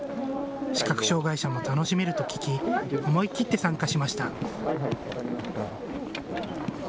視覚障害者も楽しめると聞き思い切って参加しました。